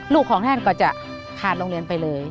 ของท่านก็จะขาดโรงเรียนไปเลย